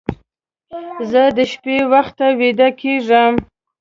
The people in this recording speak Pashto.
زه د شپې وختي ویده کېږم